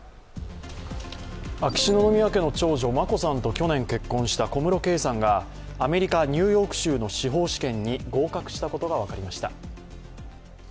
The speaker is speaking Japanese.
秋篠宮家の長女、眞子さんと去年結婚した小室圭さんが、アメリカ・ニューヨーク州の司法試験に合格したことが分かりました。